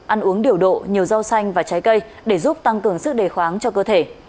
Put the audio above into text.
ăn uống điều độ nhiều rau xanh và trái cây để giúp tăng cường sức đề kháng cho cơ thể